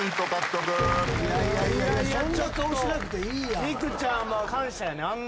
そんな顔しなくていいやん。